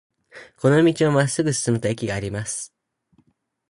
この道をまっすぐ進むと駅があります。